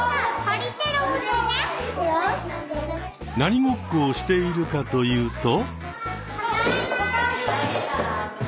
何ごっこをしているかというと？